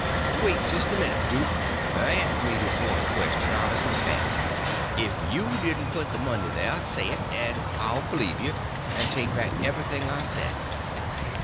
"Wait jest a minute, duke—answer me this one question, honest and fair; if you didn't put the money there, say it, and I'll b'lieve you, and take back everything I said."